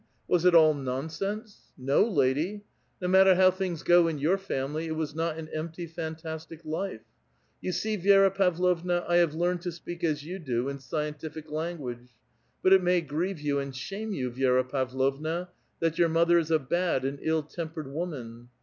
Was it all nonsense? No, lady; no matter how things go in your family, it was not an empty, fantastic life. You see, Vi^ra Pavlovna, I have learned to speak as you do, in scientific language. But it may grieve you and shame you, Vi^ra Pavlovna, that your mother is a bad and ill tempered woman?